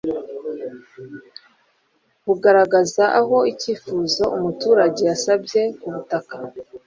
bugaragaza aho icyifuzo umuturage yasabye ku butaka